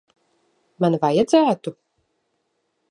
Man vajadzētu?